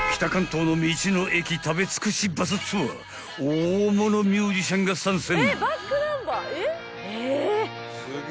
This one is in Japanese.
［大物ミュージシャンが参戦］